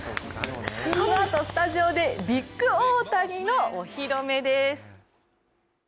このあとスタジオでビッグ大谷のお披露目です。